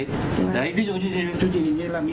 ví dụ như là mỹ liên hợp các bạn nhé